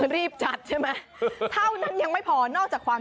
รีบจัดใช่มั้ย